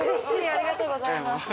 ありがとうございます。